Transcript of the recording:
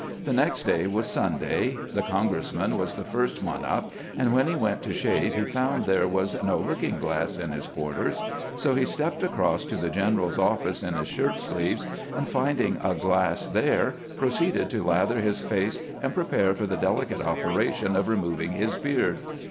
The next day was Sunday. The congressman was the first one up, and when he went to shave he found there was no looking glass in his quar ters ; so he stepped across to the general's office in his shirt sleeves, and finding a glass there, proceeded to lather his face and prepare for the delicate operation of removing his beard.